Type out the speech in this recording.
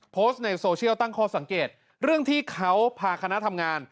โพสต์ในโซเชียลตั้งข้อสังเกตเรื่องที่เขาพาคณะทำงาน